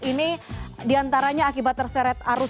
ini diantaranya akibat terseret arus